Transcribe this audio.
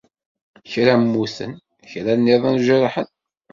Kra mmuten, kra nniḍen jerḥen.